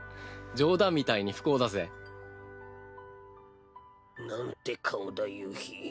冗談みたいに不幸だぜ。なんて顔だ夕日。